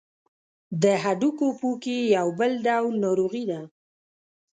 د هډوکو پوکی یو بل ډول ناروغي ده.